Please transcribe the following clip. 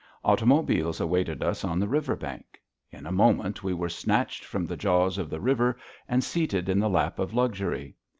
Automobiles awaited us on the river bank. In a moment we were snatched from the jaws of the river and seated in the lap of luxury.